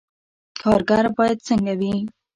کارګر باید څنګه وي؟